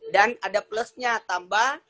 dan ada plusnya tambah